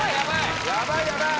ヤバいヤバい。